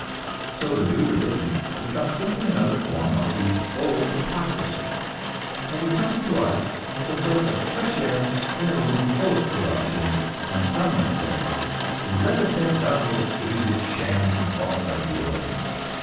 So the new religion becomes simply another form of the old hypocrisy; and it comes to us as a breath of fresh air in a room full of corruption when some one says, "Let us have done with aged shams and false idealisms.